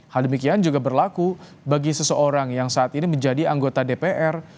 hal demikian juga berlaku bagi seseorang yang saat ini menjadi anggota dpr